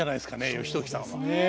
義時さんは。ねえ。